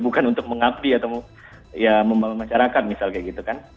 bukan untuk mengapi atau ya memacarakan misal kayak gitu kan